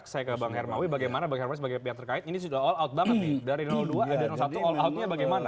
saya ke bang hermawi bagaimana bang hermawi sebagai pihak terkait ini sudah all out banget nih dari dua satu all outnya bagaimana